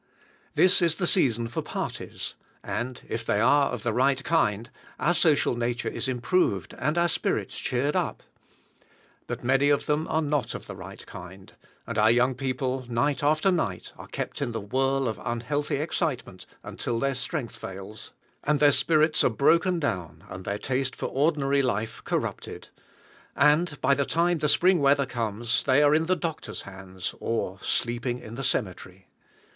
This is the season for parties; and, if they are of the right kind, our social nature is improved, and our spirits cheered up. But many of them are not of the right kind; and our young people, night after night, are kept in the whirl of unhealthy excitement until their strength fails, and their spirits are broken down, and their taste for ordinary life corrupted; and, by the time the spring weather comes, they are in the doctor's hands, or sleeping in the cemetery.